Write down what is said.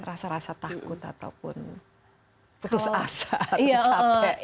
rasa rasa takut ataupun putus asa capek